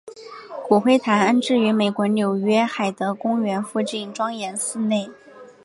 骨灰坛安置于美国纽约海德公园附近庄严寺内。